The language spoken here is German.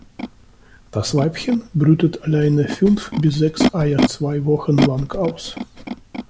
Das Weibchen brütet alleine fünf bis sechs Eier zwei Wochen lang aus.